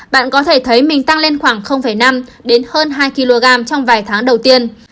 bạn có thể thấy mình tăng lên khoảng năm hơn hai kg trong vài tháng đầu tiên